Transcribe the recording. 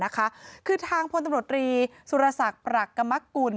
คือทางพลตำรวจรีสุรษักปรักษ์กรมกุล